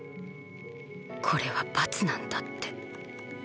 これは罰なんだって。